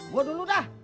gue dulu dah